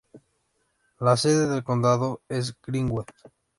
La sede del condado es Greenwood.